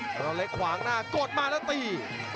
ตัวเล็กขวางหน้ากดมาแล้วตี